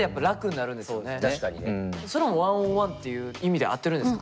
それも１ｏｎ１っていう意味で合ってるんですか。